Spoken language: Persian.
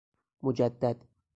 مجدد